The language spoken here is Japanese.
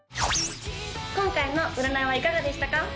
今回の占いはいかがでしたか？